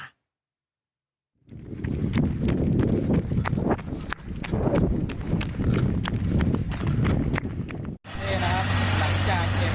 เหตุการณ์ยังไม่สงบนะครับช่วงนี้